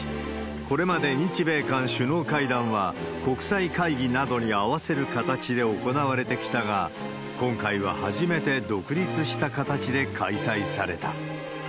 これまで日米韓首脳会談は国際会議などに合わせる形で行われてきたが、今回は初めて独立した形で開催された。